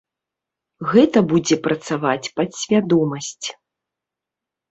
Гэта будзе працаваць падсвядомасць.